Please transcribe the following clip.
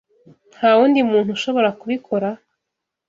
Nta wundi muntu ushobora kubikora?